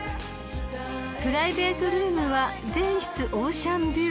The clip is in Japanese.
［プライベートルームは全室オーシャンビュー］